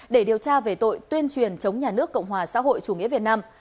để điều tra về tội tuyên truyền chống nhà nước cộng hòa xã hội chủ nghĩa việt nam